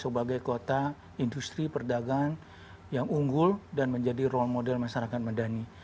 sebagai kota industri perdagangan yang unggul dan menjadi role model masyarakat medani